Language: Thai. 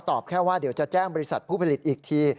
แค่ว่าเดี๋ยวจะแจ้งบริษัทผู้ผลิตอีกที